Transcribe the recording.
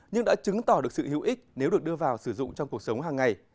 nhưng đã chứng tỏ được sự hữu ích nếu được đưa vào sử dụng trong cuộc sống hàng ngày